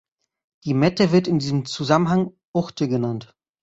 Die Mette wird in diesem Zusammenhang „Uchte“ genannt.